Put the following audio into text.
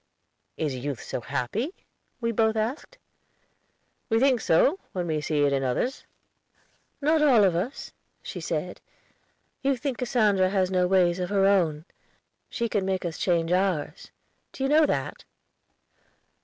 "Is youth so happy?" we both asked. "We think so, when we see it in others." "Not all of us," she said. "You think Cassandra has no ways of her own! She can make us change ours; do you know that?"